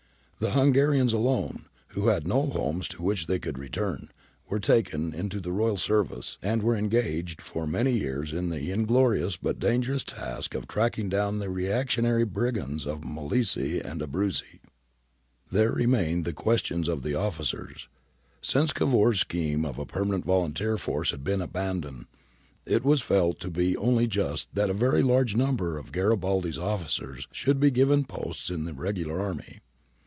The Hungarians alone, who had no homes to which they could return, were taken into the Royal service, and were engaged for many years in the ' Cialdini e Garibaldi, 546 548. Castelli, ^40. * Delia Rocca, 198. ' Chinia. iv. 34 35. GARIBALDI'S ARMY DISBANDED 281 inglorious but dangerous task of tracking down the re actionary brigands of Molise and Abruzzi. There remained the question of the officers. Since Cavour's scheme of a permanent volunteer force had been abandoned, it was felt to be only just that a very large number of Garibaldi's officers should be given posts in the regular army.